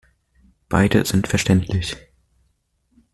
Beide sind verständlich.